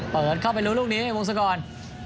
เปิดเข้าไปรู้ลูกนี้ไหมวงสกอร์น